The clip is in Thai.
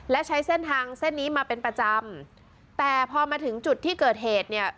และใช้เส้นทางเส้นนี้มาเป็นประจำแต่พอมาถึงจุดที่เกิดเหตุเนี่ย